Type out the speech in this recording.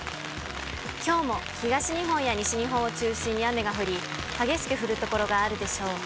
きょうも東日本や西日本を中心に雨が降り、激しく降る所があるでしょう。